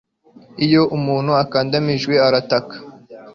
iyo umuntu akandamijwe arataka